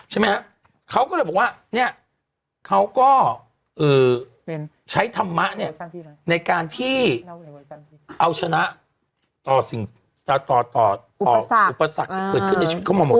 ใช่ไหมฮะเขาก็เลยบอกว่าเนี่ยเขาก็ใช้ธรรมะเนี่ยในการที่เอาชนะต่อสิ่งต่อต่ออุปสรรคที่เกิดขึ้นในชีวิตเขามาหมด